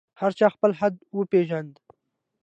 هر چا خپل حد وپېژاند.